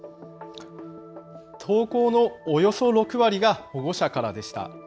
投稿のおよそ６割が保護者からでした。